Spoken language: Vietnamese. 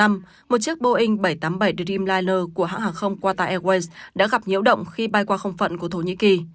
một chiếc boeing bảy trăm tám mươi bảy dream liner của hãng hàng không qatar airways đã gặp nhiễu động khi bay qua không phận của thổ nhĩ kỳ